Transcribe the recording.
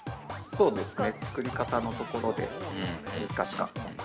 ◆そうですね、作り方のところで難しかった。